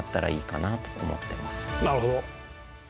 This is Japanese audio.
なるほど。